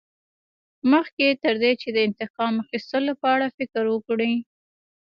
مخکې تر دې چې د انتقام اخیستلو په اړه فکر وکړې.